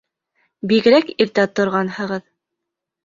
Бигерәк иртә торғанһығыҙ.